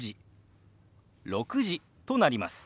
「５時」「６時」となります。